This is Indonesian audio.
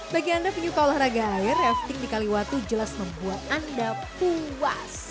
bagi anda penyuka olahraga air rafting di kaliwatu jelas membuat anda puas